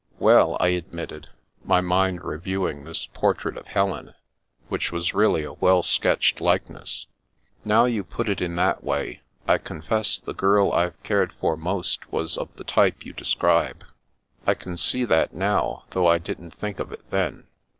" Well," I admitted, my mind reviewing this por trait of Helen, which was really a well sketched likeness, " now you put it in that way, I confess the girl I've cared for most was of the type you de scribe. I can see that now, though I didn't think of it then."